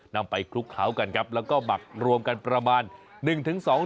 นำไปคลุกเท้ากันครับแล้วก็หมักรวมกันประมาณ๑๒เดือนนะ